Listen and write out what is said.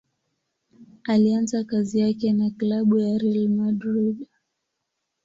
Alianza kazi yake na klabu ya Real Madrid.